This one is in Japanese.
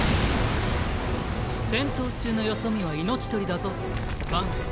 戦闘中のよそ見は命取りだぞバン。